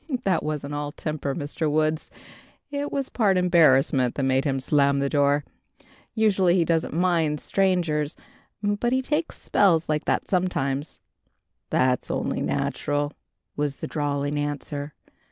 "That wasn't all temper, Mr. Woods. It was part embarrassment that made him slam the door. Usually he doesn't mind strangers, but he takes spells like that sometimes." "That's only natural," was the drawling answer.